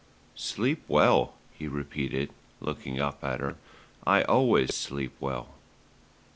"Sleep well," he repeated, looking up at her, "I always sleep well."